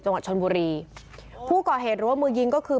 จังหวัดชนบุรีผู้ก่อเหตุหรือว่ามือยิงก็คือ